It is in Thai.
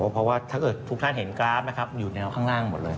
เพราะว่าถ้าเกิดทุกท่านเห็นกราฟนะครับอยู่แนวข้างล่างหมดเลย